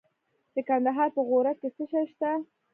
د کندهار په غورک کې څه شی شته؟